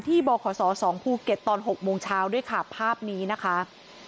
บขศ๒ภูเก็ตตอน๖โมงเช้าด้วยค่ะภาพนี้นะคะ